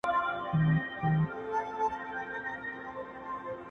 ددغه خلگو په كار; كار مه لره;